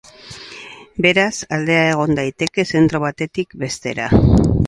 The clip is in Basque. Beraz, aldea egon daiteke zentro batetik bestera.